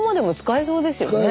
いけそうですよね。